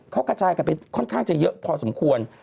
เขากระจายกันไปค่อนข้างจะเยอะพอสมควร